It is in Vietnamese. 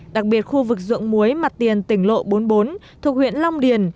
đặc biệt khu vực ruộng muối mặt tiền tỉnh lộ bốn mươi bốn thuộc huyện long điền